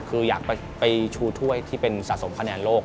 คืออยากไปชูถ้วยที่เป็นสะสมคะแนนโลก